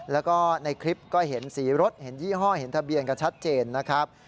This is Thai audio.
แล้วก็ในคลิปก็เห็นสีรถเห็นยี่ห้อเห็นทะเบียนกันชัดเจนนะครับ